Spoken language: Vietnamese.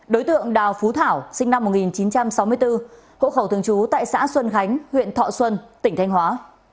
đối tượng đào phú thảo sinh năm một nghìn chín trăm sáu mươi bốn hộ khẩu thường trú tại xã xuân khánh huyện thọ xuân tỉnh thanh hóa